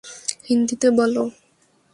হিন্দিতে বলো।